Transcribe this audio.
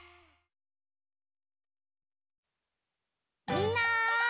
みんな！